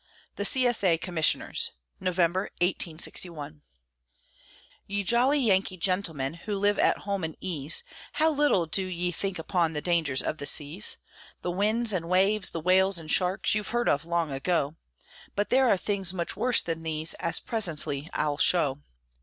THE C. S. A. COMMISSIONERS [November, 1861] Ye jolly Yankee gentlemen, who live at home in ease, How little do ye think upon the dangers of the seas! The winds and waves, the whales and sharks, you've heard of long ago, But there are things much worse than these, as presently I'll show.